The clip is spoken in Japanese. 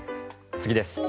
次です。